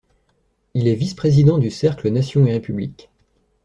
Il est vice-président du Cercle nation et République.